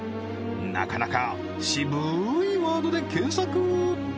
なかなか渋いワードで検索